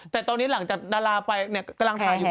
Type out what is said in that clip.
แต่ตอนนี้หลังจากดาราไปกำลังถ่ายอยู่